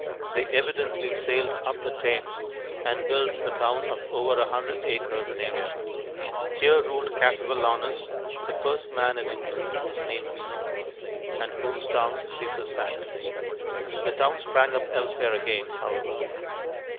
They evidently sailed up the Thames and built a town of over a hundred acres in area. Here ruled Cassivellaunus, "the first man in England whose name we know," and whose town Caesar sacked. The town sprang up elsewhere again, however.